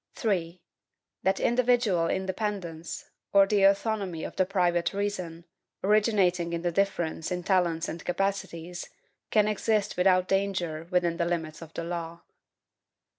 3. That individual INDEPENDENCE, or the autonomy of the private reason, originating in the difference in talents and capacities, can exist without danger within the limits of the law.